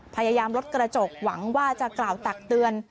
พยายามลดกระจกหวังว่าจะกล่าวตักเตือน